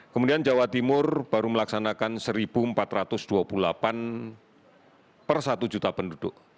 kemudian jawa timur baru melaksanakan satu empat ratus dua puluh delapan per satu juta penduduk